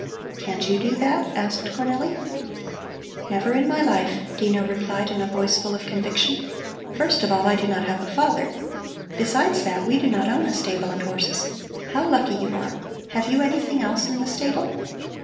"Can't you do that?" asked Cornelli. "Never in my life," Dino replied in a voice full of conviction. "First of all, I do not have a father. Besides that, we do not own a stable and horses. How lucky you are! Have you anything else in the stable?"